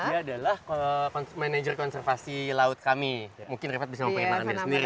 dia adalah manager konservasi laut kami mungkin rifat bisa mau perkenalan dia sendiri